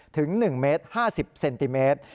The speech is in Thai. ถึง๑เมตร๕๐เซนติเมตร